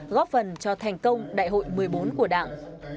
góp phần cho thành công đại hội một mươi bốn của đảng